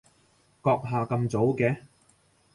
閣下咁早嘅？